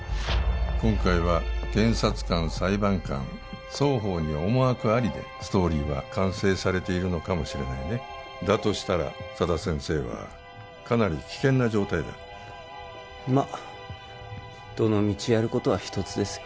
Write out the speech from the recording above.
今回は検察官裁判官双方に思惑ありでストーリーは完成されているのかもしれないねだとしたら佐田先生はかなり危険な状態だまっどの道やることは一つですよ